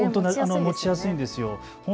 持ちやすいんですよ。